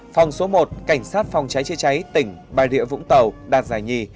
phòng số một cảnh sát phòng cháy chế cháy tỉnh bài địa vũng tàu đạt giải nhì